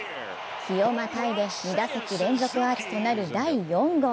日をまたいで２打席連続アーチとなる第４号。